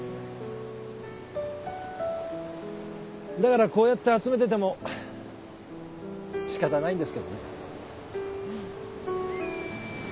だからこうやって集めてても仕方ないんですけどね。